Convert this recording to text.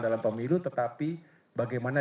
dalam pemilu tetapi bagaimana